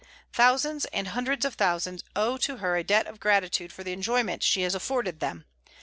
Thousands, and hundreds of thousands, owe to her a debt of gratitude for the enjoyment she has afforded them.